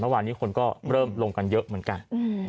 เมื่อวานนี้คนก็เริ่มลงกันเยอะเหมือนกัน